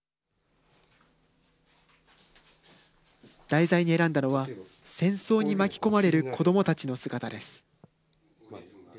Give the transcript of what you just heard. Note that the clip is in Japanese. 題材に選んだのは戦争に巻き込まれる子どもたちの姿です。